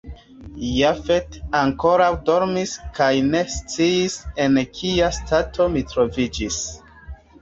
Jafet ankoraŭ dormis kaj ne sciis, en kia stato mi troviĝis.